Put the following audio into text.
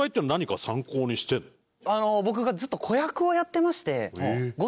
僕がずっと子役をやってまして。